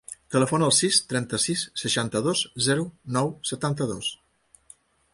Telefona al sis, trenta-sis, seixanta-dos, zero, nou, setanta-dos.